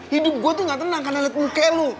hidup gue tuh gak tenang karena liat muka lo